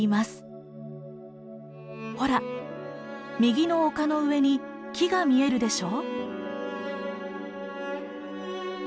ほら右の丘の上に木が見えるでしょう。